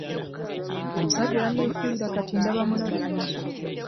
Omusajja yannefuulira kati ndaba mulabe.